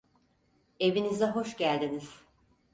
Evinize hoş geldiniz.